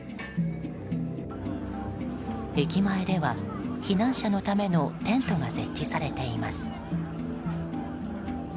駅前では、避難者のためのテントが設置されています。